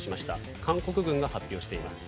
韓国軍が発表しています。